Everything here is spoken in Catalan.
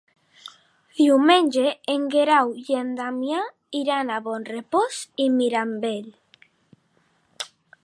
Diumenge en Guerau i en Damià iran a Bonrepòs i Mirambell.